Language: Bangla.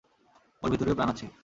ওর ভেতরেও প্রাণ আছে।